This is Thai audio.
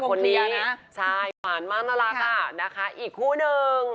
คนนี้ใช่หวานมากน่ารักอ่ะนะคะอีกคู่หนึ่ง